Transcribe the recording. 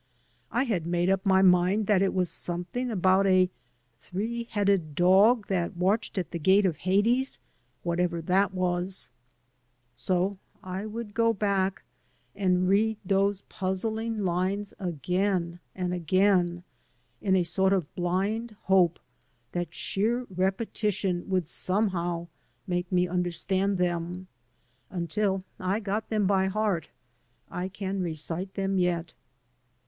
I had made up my mind that it was something about a three headed dog that watched at the gate of Hades, whatever that was. So I woulc} 177 AN AMERICAN IN THE MAKING go back and read those puzzling lines again and again^ in a sort of blind hope that sheer repetition would some how make me understand them, until I got them by heart. I can recite them yet.